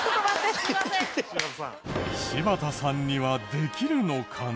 柴田さんにはできるのかな？